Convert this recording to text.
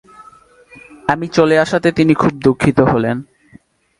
আমি চলে আসাতে তিনি খুব দুঃখিত হলেন।